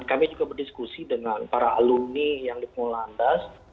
saya juga berdiskusi dengan para alumni yang di pengolah andas